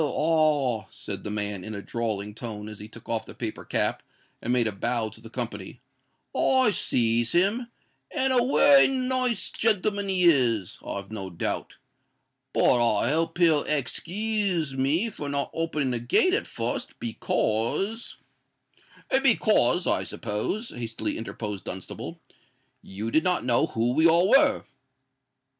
ah!" said the man, in a drawling tone, as he took off the paper cap, and made a bow to the company; "I sees him, and a wery nice gentleman he is, I've no doubt. But I hope he'll ex kooze me for not opening the gate at fust, because——" "Because, I suppose," hastily interposed Dunstable, "you did not know who we all were."